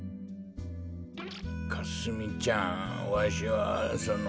かすみちゃんわしはその。